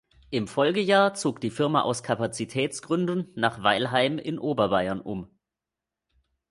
Im Folgejahr zog die Firma aus Kapazitätsgründen nach Weilheim in Oberbayern um.